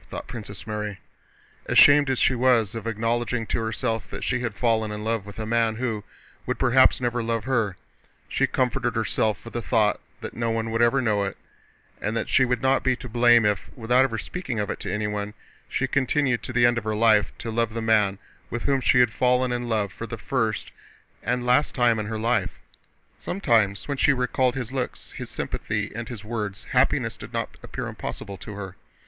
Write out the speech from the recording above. thought Princess Mary. Ashamed as she was of acknowledging to herself that she had fallen in love with a man who would perhaps never love her, she comforted herself with the thought that no one would ever know it and that she would not be to blame if, without ever speaking of it to anyone, she continued to the end of her life to love the man with whom she had fallen in love for the first and last time in her life. Sometimes when she recalled his looks, his sympathy, and his words, happiness did not appear impossible to her.